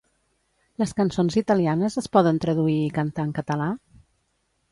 Les cançons italianes es poden traduir i cantar en català?